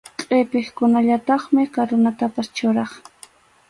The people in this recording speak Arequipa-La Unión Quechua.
Qʼipiqkunallataqmi karunatapas churaq.